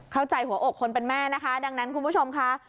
หัวอกคนเป็นแม่นะคะดังนั้นคุณผู้ชมค่ะ